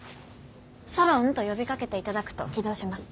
ソロンと呼びかけていただくと起動します。